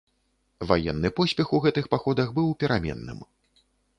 Ваенны поспех у гэтых паходах быў пераменным.